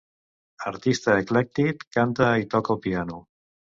Artista eclèctic, canta i toca el piano.